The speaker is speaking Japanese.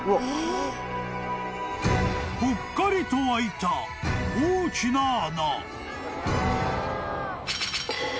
［ぽっかりと開いた大きな穴］